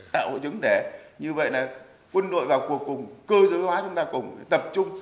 tạo hội chứng để như vậy là quân đội vào cuộc cùng cơ giới hóa chúng ta cùng tập trung